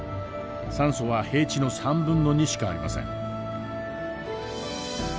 酸素は平地の2/3しかありません。